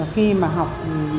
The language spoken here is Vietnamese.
khi mà học